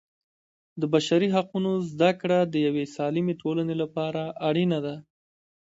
د بشري حقونو زده کړه د یوې سالمې ټولنې لپاره اړینه ده.